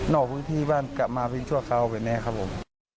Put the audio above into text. นอกพื้นที่บ้านกลับมาเพียงชั่วคราวเป็นแน่ครับผม